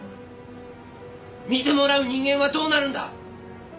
診てもらう人間はどうなるんだ！